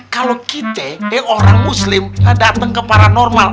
kalo kita ya orang muslim dateng ke paranormal